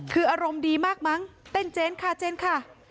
คืออารมณ์ดีมากมั้งเต้นเจนค่ะเจนค่ะ